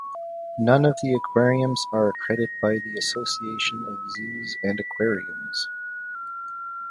None of the aquariums are accredited by the Association of Zoos and Aquariums.